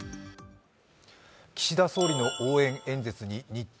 岸田総理の応援演説に日当